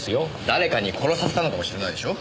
誰かに殺させたのかもしれないでしょ？